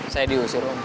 saya diusir om